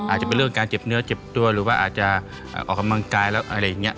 อาจจะเป็นเรื่องการเจ็บเนื้อเจ็บตัวหรือว่าอาจจะออกกำลังกายแล้วอะไรอย่างนี้